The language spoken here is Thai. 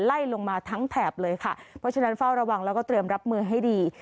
ไล่ลงมาทั้งแถบเลยค่ะเพราะฉะนั้นเฝ้าระวังแล้วก็เตรียมรับมือให้ดี